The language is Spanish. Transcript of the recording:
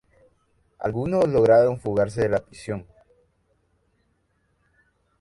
Algunos lograron fugarse de la prisión.